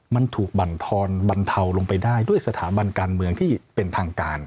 มันถูกบรรทอนบรรเทาลงไปได้ด้วยสถาบันการเมืองที่เป็นทางการ